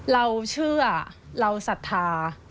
เราเชื่อเราศรัทธา